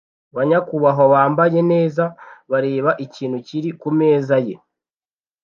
Ba nyakubahwa bambaye neza bareba ikintu kiri kumeza ye